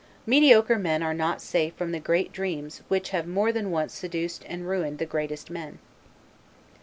Mediocre men are not safe from the great dreams which have more than once seduced and ruined the greatest men.